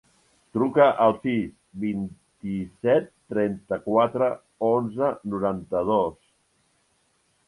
Truca al sis, vint-i-set, trenta-quatre, onze, noranta-dos.